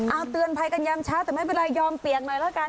เอาเตือนภัยกันยามเช้าแต่ไม่เป็นไรยอมเปียกหน่อยแล้วกัน